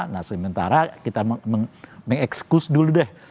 nah sementara kita mengekskus dulu deh